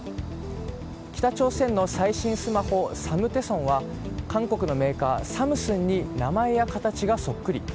北朝鮮の最新スマホサムテソンは韓国のメーカー、サムスンに名前や形がそっくり。